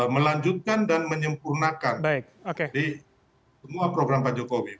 melanjutkan dan menyempurnakan di semua program pak jokowi